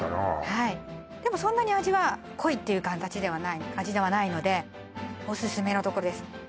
はいでもそんなに味は濃いって味ではないのでおすすめのところです